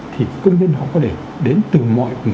thì công dân họ có thể đến từ mọi